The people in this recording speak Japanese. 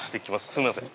すいません。